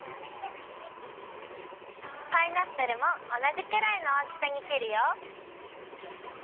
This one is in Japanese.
パイナップルもおなじくらいのおおきさにきるよ。